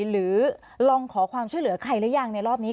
หรือลองขอความช่วยเหลือใครหรือยังในรอบนี้